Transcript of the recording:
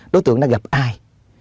đối tượng đã gặp ai